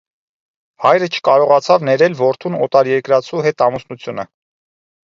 Հայրը չկարողացավ ներել որդուն օտարերկրացու հետ ամուսնությունը։